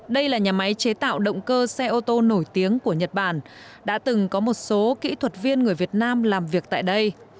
đây là nhà máy chế tạo động cơ xe ô tô nổi tiếng của nhật bản đã từng có một số kỹ thuật viên người việt nam làm việc tại đây